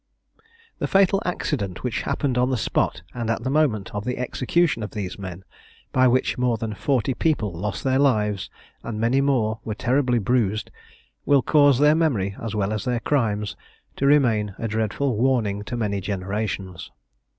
The fatal accident which happened on the spot and at the moment of the execution of these men, by which more than forty people lost their lives, and many more were terribly bruised, will cause their memory, as well as their crimes, to remain a dreadful warning to many generations.